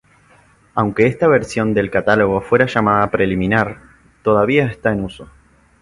Aunque esta versión del catálogo fuera llamada preliminar, todavía está en uso.